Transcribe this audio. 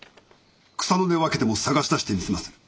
草の根分けても探し出してみせます。